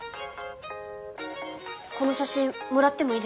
この写真もらってもいいですか？